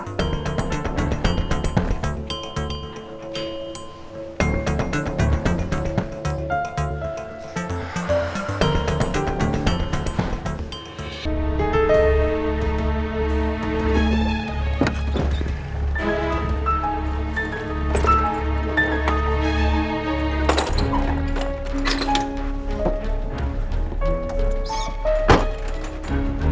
tadi kamu tuh